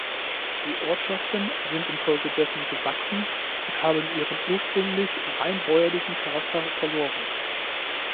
Die Ortschaften sind infolge dessen gewachsen und haben ihren ursprünglich rein bäuerlichen Charakter verloren.